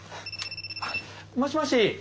あっもしもし。